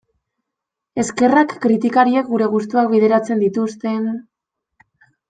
Eskerrak kritikariek gure gustuak bideratzen dituzten...